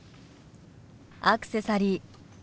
アクセサリー